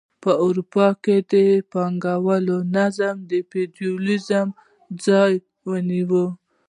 په اروپا کې د پانګوالۍ نظام د فیوډالیزم ځای ونیو.